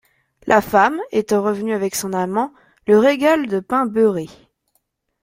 La femme, étant revenue avec son amant, le régale de pain beurré.